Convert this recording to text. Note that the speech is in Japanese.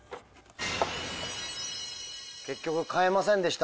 結局変えませんでした。